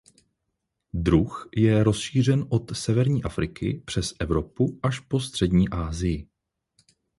Druh je rozšířen od severní Afriky přes Evropu až po střední Asii.